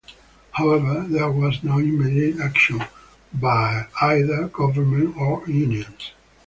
However, there was no immediate action by either government or unions.